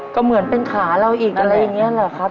ก็เหมือนเป็นขาเราอีกอะไรอย่างนี้เหรอครับ